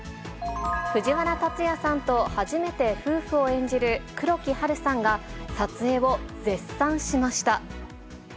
藤原竜也さんと初めて夫婦を演じる黒木華さんが撮影を絶賛しました。